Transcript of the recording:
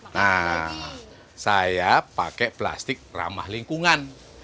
nah saya pakai plastik ramah lingkungan